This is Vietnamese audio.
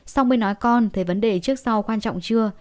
xong mới nói con thấy vấn đề trước sau quan trọng chưa